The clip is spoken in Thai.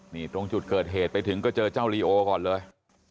นี่ตรงจุดเกิดเหตุไปถึงก็เจอเจ้าลีโอก่อนเลย